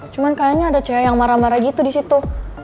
cuman kayaknya ada yang marah marah gitu di situ